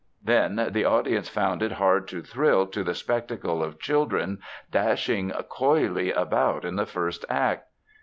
Then, the audience found it hard to thrill to the spectacle of children dashing coyly about in the first act.